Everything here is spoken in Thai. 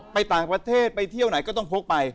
ไปต่างประเทศไปเที่ยวไหนก็ต้องพกไป